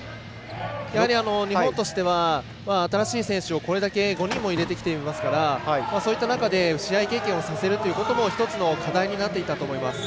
やはり、日本としては新しい選手を５人も入れてきていますからそういう中で試合経験をさせるということも１つの課題になっていたと思います。